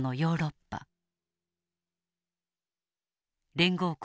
連合国